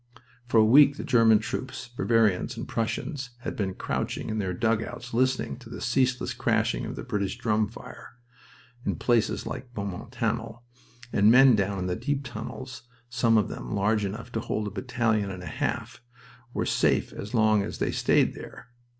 For a week the German troops Bavarians and Prussians had been crouching in their dugouts, listening to the ceaseless crashing of the British "drum fire." In places like Beaumont Hamel, the men down in the deep tunnels some of them large enough to hold a battalion and a half were safe as long as they stayed there.